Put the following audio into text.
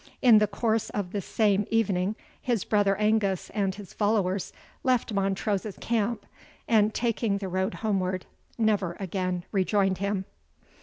In the course of the same evening, his brother Angus and his followers left Montrose's camp, and, taking the road homeward, never again rejoined him.